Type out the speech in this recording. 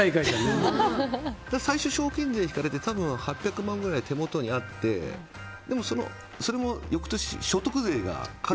最初、賞金税引かれて８００万くらい手元にあってでもそれも翌年、所得税が。